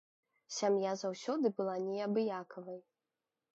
Сям'я заўсёды была неабыякавай.